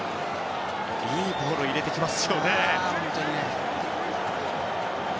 いいボールを入れてきます。